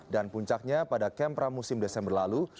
dan puncaknya pada kempramusim desember lalu